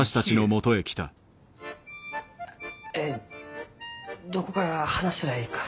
えどこから話したらえいか。